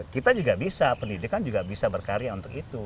kita juga bisa pendidikan juga bisa berkarya untuk itu